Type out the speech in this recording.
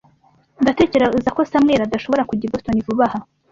Ndatekereza ko Samuel adashobora kujya i Boston vuba aha.